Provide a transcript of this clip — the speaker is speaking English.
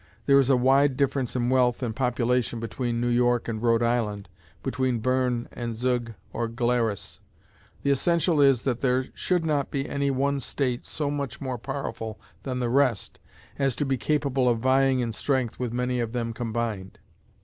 There is a wide difference in wealth and population between New York and Rhode Island; between Berne, and Zug or Glaris. The essential is, that there should not be any one state so much more powerful than the rest as to be capable of vying in strength with many of them combined.